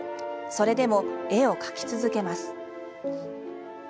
それでも絵を描き続けます。